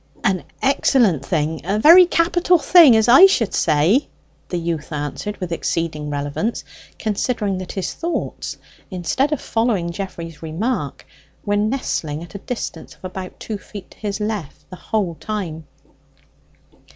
"An excellent thing a very capital thing, as I should say," the youth answered with exceeding relevance, considering that his thoughts, instead of following Geoffrey's remark, were nestling at a distance of about two feet on his left the whole time.